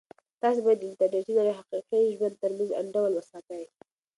تاسو باید د انټرنیټي نړۍ او حقیقي ژوند ترمنځ انډول وساتئ.